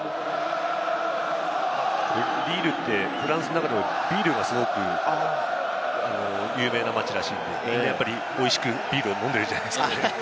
リールってフランスの中でもビールが有名な街らしいので、おいしくビールを飲んでいるんじゃないですか？